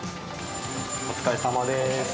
お疲れさまです。